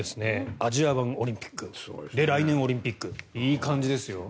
アジア版オリンピックで、来年オリンピックいい感じですよ。